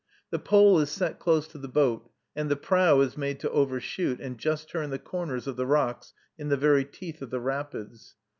The pole is set close to the boat, and the prow is made to overshoot, and just turn the corners of the rocks, in the very teeth of the rapids.